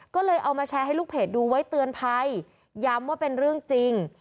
ก็เลยเอามาแชร์ให้ลูกเพจดูไว้เตือนภัยย้ำว่าเป็นเรื่องจริง